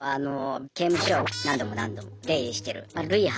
刑務所を何度も何度も出入りしてる「累犯」。